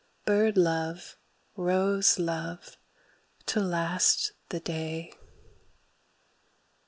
Bird love, rose love, to last the day!